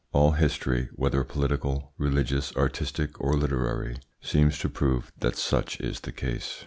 All history, whether political, religious, artistic, or literary, seems to prove that such is the case.